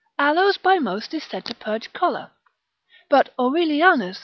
Aloes by most is said to purge choler, but Aurelianus lib.